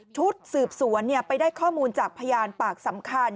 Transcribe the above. ชุดสืบสวนไปได้ข้อมูลจากพยานปากสำคัญ